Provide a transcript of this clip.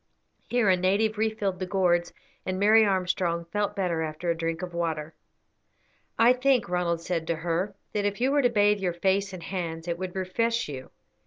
Here a native refilled the gourds, and Mary Armstrong felt better after a drink of water. "I think," Ronald said to her, "that if you were to bathe your face and hands it would refresh you.